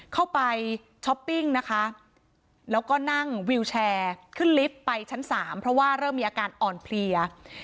เข้าไปช้อปปิ้งนะคะแล้วก็นั่งวิวแชร์ขึ้นลิฟต์ไปชั้น๓เพราะว่าเริ่มมีอาการอ่อนเพลีย